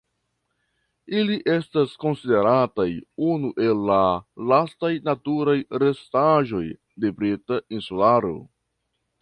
Ili estas konsiderataj unu el la lastaj naturaj restaĵoj de Brita Insularo.